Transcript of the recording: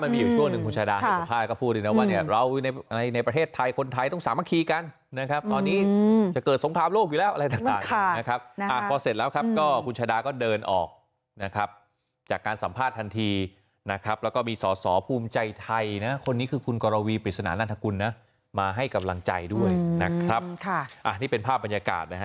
มาให้กำลังใจด้วยนะครับค่ะอ่านี่เป็นภาพบรรยากาศนะฮะ